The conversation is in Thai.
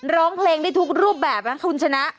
ร้องเพลงได้ทุกรูปแบบนะคุณชนะ